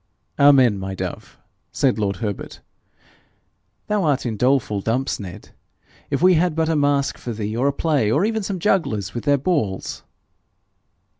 'Amen, my dove!'said lord Herbert. 'Thou art in doleful dumps, Ned. If we had but a masque for thee, or a play, or even some jugglers with their balls!'